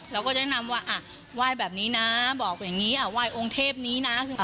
เราก็แนะนำว่าไหว้แบบนี้นะบอกอย่างนี้ไหว้องค์เทพนี้นะ